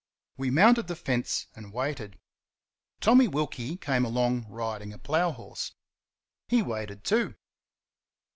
We mounted the fence and waited. Tommy Wilkie came along riding a plough horse. He waited too.